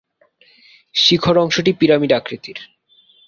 শিখর অংশটি পিরামিড আকৃতির।